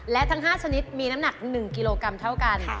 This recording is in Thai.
และทั้ง๕ชนิดมีน้ำหนัก๑กิโลกรัมเท่ากัน